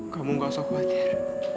kamu gak usah khawatir